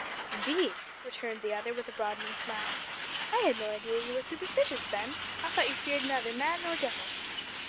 "Indeed!" returned the other with a broadening smile. "I had no idea you were superstitious, Ben. I thought you feared neither man nor devil."